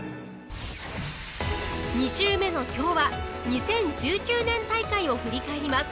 ２週目の今日は２０１９年大会を振り返ります。